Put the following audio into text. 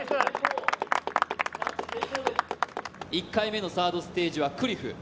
１回目のサードステージはクリフ。